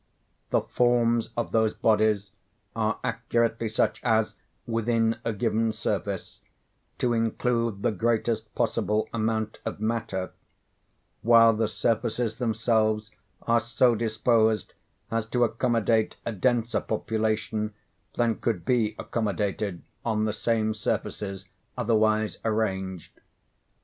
The forms of those bodies are accurately such as, within a given surface, to include the greatest possible amount of matter;—while the surfaces themselves are so disposed as to accommodate a denser population than could be accommodated on the same surfaces otherwise arranged.